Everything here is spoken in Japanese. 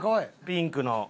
ピンクの。